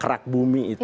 kerak bumi itu